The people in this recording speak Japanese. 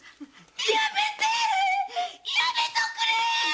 やめてやめとくれ。